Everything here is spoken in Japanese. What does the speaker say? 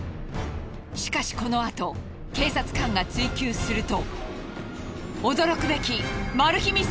しかしこのあと警察官が追及すると驚くべきマル秘